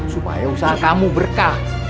supaya usaha kamu berkah